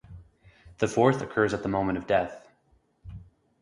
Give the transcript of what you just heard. The fourth occurs at the moment of death.